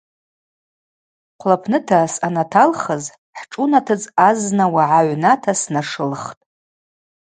Хъвлапныта съанаталхыз хӏшӏунатыдз азна уагӏа гӏвната снашылхтӏ.